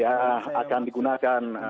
ya akan digunakan